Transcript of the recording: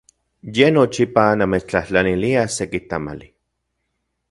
Ye nochipa namechtlajtlanilia seki tamali.